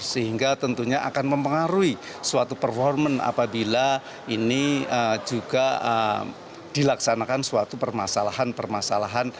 sehingga tentunya akan mempengaruhi suatu performance apabila ini juga dilaksanakan suatu permasalahan permasalahan